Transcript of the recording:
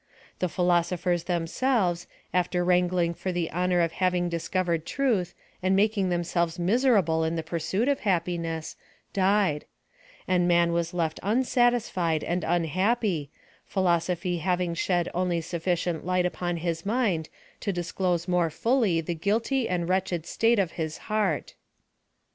The philoso phers themselves, after wrangling for the honor of having discovered truth, and making themselves miserable in the };ursuit of happiness, died ; and man was left unsatisfied and unhappy, philosophy having shed only sufficient light upon his mind to disclose more fully the guilty and wretched state of his heart.